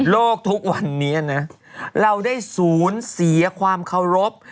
ทุกวันนี้นะเราได้สูญเสียความเคารพ